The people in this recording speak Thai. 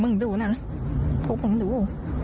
ดูนะพวกมึงดู